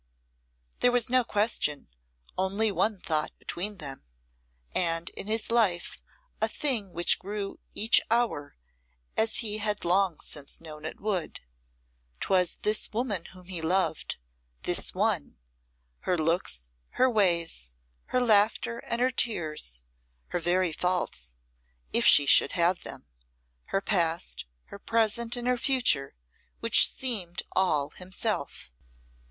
There was no question, only one thought between them, and in his life a thing which grew each hour as he had long since known it would. 'Twas this woman whom he loved this one her looks, her ways, her laughter and her tears, her very faults, if she should have them, her past, her present, and her future which seemed all himself.